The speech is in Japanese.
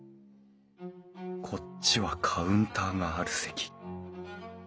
こっちはカウンターがある席。